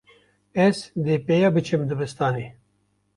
Ez dê peya biçim dibistanê.